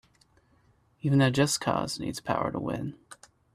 Even a just cause needs power to win.